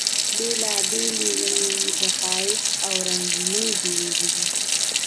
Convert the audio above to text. بېلابېلې ونې یې د ښایست او رنګینۍ بېلګې دي.